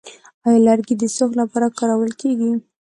آیا لرګي د سوخت لپاره کارول کیږي؟